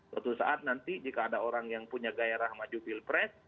suatu saat nanti jika ada orang yang punya gaya rahma jubil pres